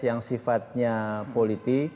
yang sifatnya politik